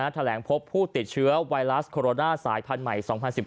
แถลงพบผู้ติดเชื้อไวรัสโคโรนาสายพันธุ์ใหม่๒๐๑๙